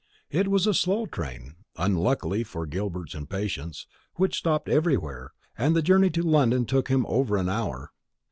It was a slow train, unluckily for Gilbert's impatience, which stopped everywhere, and the journey to London took him over an hour.